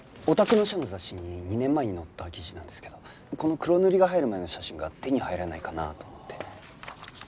お宅の社の雑誌に２年前に載った記事なんですけどこの黒塗りが入る前の写真が手に入らないかなと思って。